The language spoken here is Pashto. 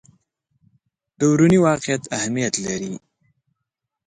دروني واقعیت اهمیت لري.